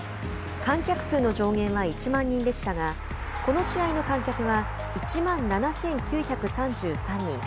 観客数の上限は１万人でしたがこの試合の観客は１万７９３３人。